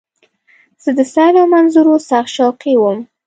زه د سیل او منظرو سخت شوقی وم.